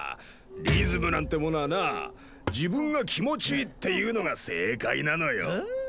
リズムなんてものはな自分が気持ちいいっていうのが正解なのよ。